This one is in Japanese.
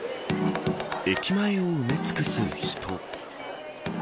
駅前を埋め尽くす人。